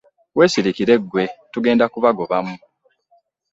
Weesirikire ggwe tugenda kubagobamu.